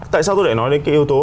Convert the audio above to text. tại sao tôi lại nói đến cái yếu tố